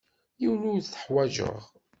Yiwen ur t-ḥwajeɣ.